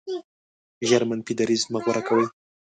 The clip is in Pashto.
ژر منفي دریځ مه غوره کوئ.